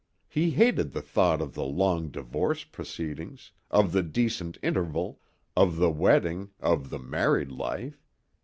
He hated the thought of the long divorce proceedings, of the decent interval, of the wedding, of the married life.